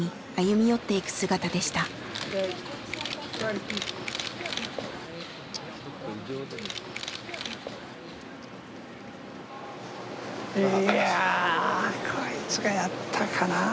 いやこいつがやったかな。